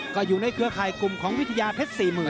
ก็อยู่ในเครือข่ายกลุ่มของวิทยาเพชร๔๐๐๐